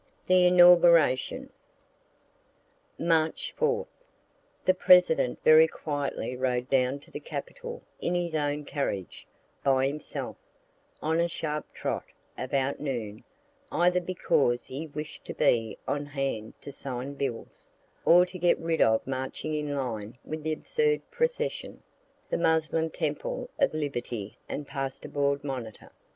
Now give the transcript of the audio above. THE INAUGURATION March 4th. The President very quietly rode down to the capitol in his own carriage, by himself, on a sharp trot, about noon, either because he wish'd to be on hand to sign bills, or to get rid of marching in line with the absurd procession, the muslin temple of liberty and pasteboard monitor.